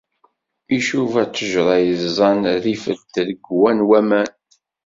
Icuba ttejra yeẓẓan rrif n tregwa n waman.